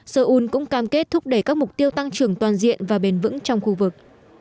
seoul cũng cam kết thúc đẩy các mục tiêu tăng trưởng toàn diện và bền vững trong khu vực